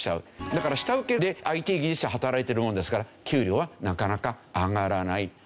だから下請けでＩＴ技術者働いてるもんですから給料はなかなか上がらない。